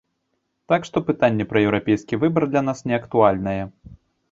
Так што пытанне пра еўрапейскі выбар для нас не актуальнае.